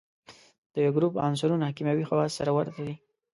د یوه ګروپ عنصرونه کیمیاوي خواص سره ورته دي.